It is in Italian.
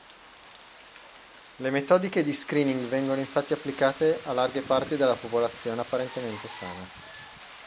Le metodiche di screening vengono infatti applicate a larghe parti della popolazione apparentemente sana.